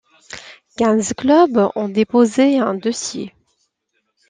Quinze clubs ont déposé un dossier.